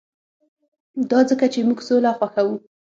دا ځکه چې موږ سوله خوښوو